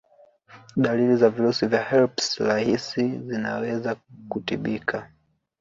Dalili za virusi vya herpes rahisi zinaweza kutibika